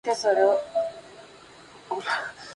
Durante la era del cine mudo apareció en algunos films.